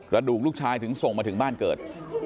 ดูกลูกชายถึงส่งมาถึงบ้านเกิด